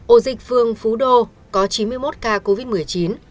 ổ dịch phường phú đô có chín mươi một ca covid một mươi chín